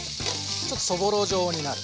ちょっとそぼろ状になる。